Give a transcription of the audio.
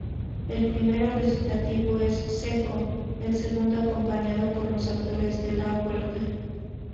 El primer recitativo es "secco", el segundo acompañado por los acordes de la cuerda.